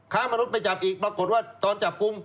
ค้ามนุษย์ไปจับอีกปรากฏว่าตอนจับกลุ่ม